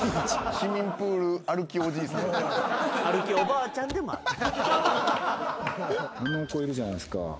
あの子いるじゃないですか。